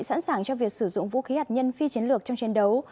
sẵn sàng cho việc sử dụng vũ khí hạt nhân phi chiến lược trong chiến đấu